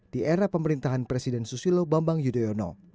di era pemerintahan presiden susilo bambang yudhoyono